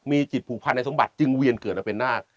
มีจิตผูกพันในสมบัติจึงเวียนเกิดมาเป็นนาค